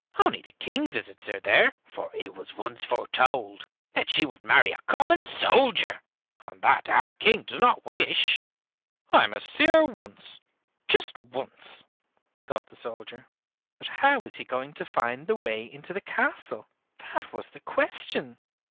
Only the King visits her there, for it was once foretold that she would marry a common soldier, and that our King does not wish." "I must see her once, just once," thought the soldier. But how was he going to find the way into the castle, that was the question?